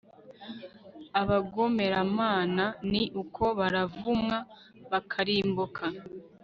abagomeramana ni uko: baravumwa, bakarimbuka